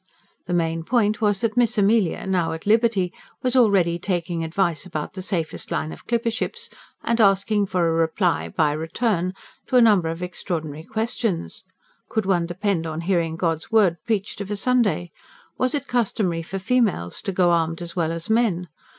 The main point was that Miss Amelia, now at liberty, was already taking advice about the safest line of clipper ships, and asking for a reply BY RETURN to a number of extraordinary questions. Could one depend on hearing God's Word preached of a Sunday? Was it customary for FEMALES to go armed as well as men?